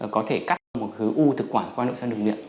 có thể cắt một cái u thực quản qua nội soi lực luyện